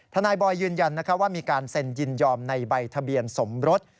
ท่านายบอยยืนยันนะคะว่ามีการจินยอมจากใบทะเบียนสมรส